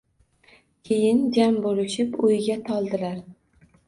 Keyin jam bo‘lishib o‘yga toldilar